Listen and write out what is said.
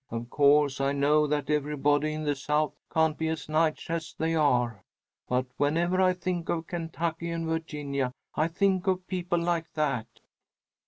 Of course I know that everybody in the South can't be as nice as they are, but whenever I think of Kentucky and Virginia I think of people like that."